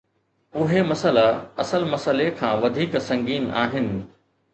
اهي مسئلا اصل مسئلي کان وڌيڪ سنگين آهن.